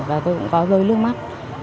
và tôi cũng có rơi nước mắt